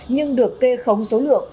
nhưng được kê khống số lượng